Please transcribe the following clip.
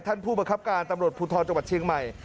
ผู้บังคับการตำรวจภูทรจังหวัดเชียงใหม่